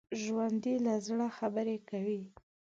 ژوندي له زړه خبرې کوي